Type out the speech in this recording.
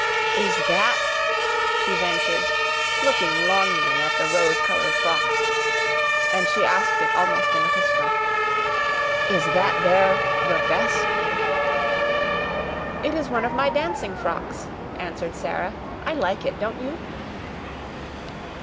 "Is that " she ventured, looking longingly at the rose colored frock. And she asked it almost in a whisper. "Is that there your best?" "It is one of my dancing frocks," answered Sara. "I like it, don't you?"